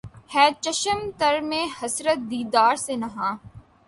ھے چشم تر میں حسرت دیدار سے نہاں